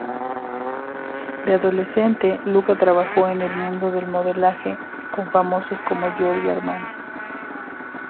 De adolescente Luca trabajo en el mundo del modelaje con famosos como Giorgio Armani.